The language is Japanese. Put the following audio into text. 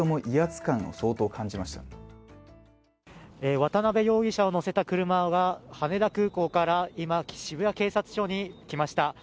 渡辺容疑者を乗せた車が、羽田空港から今、渋谷警察署に来ました。